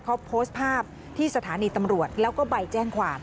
เขาโพสต์ภาพที่สถานีตำรวจแล้วก็ใบแจ้งความ